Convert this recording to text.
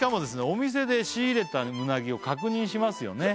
お店で仕入れたうなぎを確認しますよね